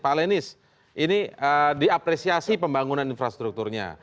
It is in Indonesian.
pak lenis ini diapresiasi pembangunan infrastrukturnya